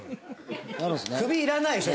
首いらないでしょ？